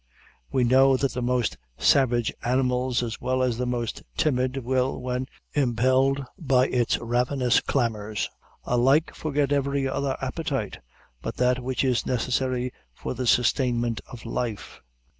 We know that the most savage animals as well as the most timid will, when impelled by its ravenous clamors, alike forget every other appetite but that which is necessary for the sustainment of life.